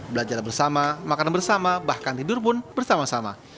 belajar bersama makanan bersama bahkan tidur pun bersama sama